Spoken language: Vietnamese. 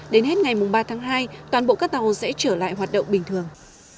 đến hết ngày ba tháng hai toàn bộ các tàu sẽ trở lại hoạt động bình thường